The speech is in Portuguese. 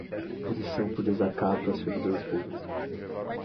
Punição por desacato a servidor público